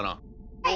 はい！